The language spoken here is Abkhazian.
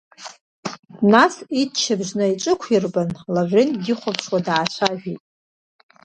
Нас, иччаԥшь наиҿықәирбан, Лаврент дихәаԥшуа даацәажәеит…